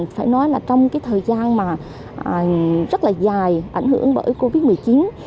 phải nói trong thời gian rất dài ảnh hưởng bởi covid một mươi chín